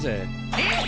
えっ⁉